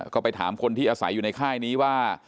ก็ไปถามคนที่อาศัยอยู่ในค่ายนี้ว่า